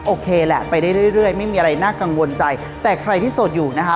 โอเคแหละไปได้เรื่อยไม่มีอะไรน่ากังวลใจแต่ใครที่โสดอยู่นะคะ